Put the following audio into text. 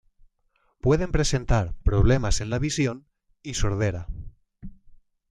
Pueden presentar problemas en la visión y sordera.